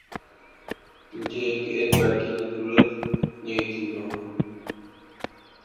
مجھیں ایک ایںر گاڑی کی ضریںرت نہیں تھیں وہاں